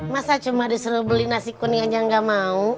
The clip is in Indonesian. masa cuma disuruh beli nasi kuning aja nggak mau